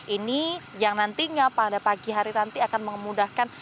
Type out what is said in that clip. ini yang nantinya pada pagi hari nanti akan memudahkan